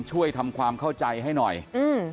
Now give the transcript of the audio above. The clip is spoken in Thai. ช่วยทำความเข้าใจให้หน่อยอืม